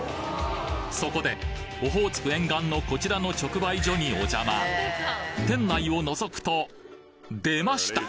そこでオホーツク沿岸のこちらの直売所におじゃま店内を覗くとでました！！